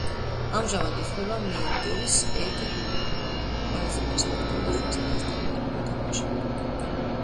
ამჟამად ითვლება მეინ-ტურის ერთ-ერთ ყველაზე პერსპექტიულ ახალგაზრდა მოთამაშედ.